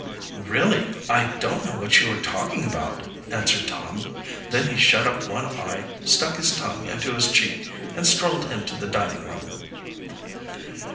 "Really, I don't know what you are talking about," answered Tom. Then he shut up one eye, stuck his tongue into his cheek, and strolled into the dining room.